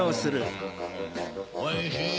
おいしい！